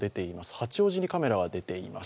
八王子にカメラが出ています。